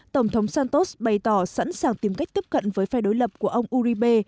tổng thống santos bày tỏ sẵn sàng tìm cách tiếp cận với phe đối lập của ông uribe